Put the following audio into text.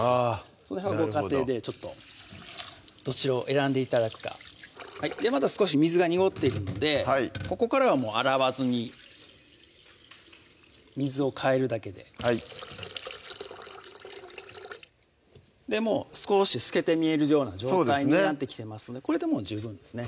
その辺はご家庭でちょっとどちらを選んで頂くかまだ少し水が濁っているのでここからはもう洗わずに水を替えるだけではいもう少し透けて見えるような状態になってきてますのでこれでもう十分ですね